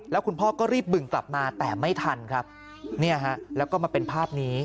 แล้วคุณพ่อก็รีบบึงกลับมาแต่ไม่ทันครับเนี่ยฮะแล้วก็มาเป็นภาพนี้